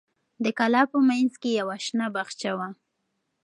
د کلا په منځ کې یو شین باغچه وه.